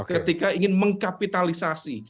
ketika ingin mengkapitalisasi